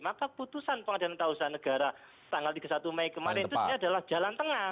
maka putusan pengadilan tata usaha negara tanggal tiga puluh satu mei kemarin itu adalah jalan tengah